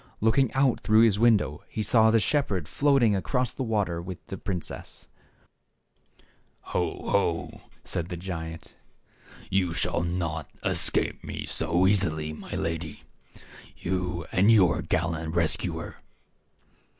Looking out through his window, he saw the shepherd floating across the water with the princess. "Ho, ho!" said the giant; "you shall not escape me so easily, my lady — you and your gallant rescuer."